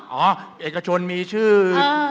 อย่างเอกชนมีชื่อ